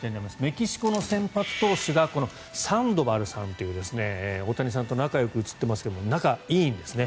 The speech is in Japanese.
メキシコの先発投手がこのサンドバルさんという大谷さんと仲よく写っていますが仲いいんですね。